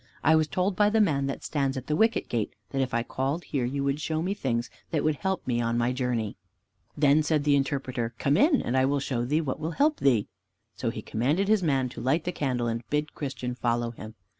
I was told by the man that stands at the Wicket gate that if I called here you would show me things that would help me on my journey." Then said the Interpreter, "Come in, and I will show thee what will help thee." So he commanded his man to light the candle, and bid Christian follow him.